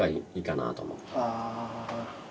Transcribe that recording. ああ。